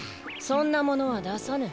そんなものはださぬ。